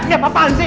siap apaan sih